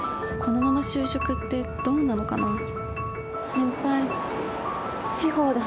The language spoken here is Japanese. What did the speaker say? このまま就職ってどうなのかな？